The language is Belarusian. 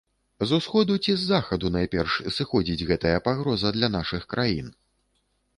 З усходу ці з захаду найперш сыходзіць гэтая пагроза для нашых краін?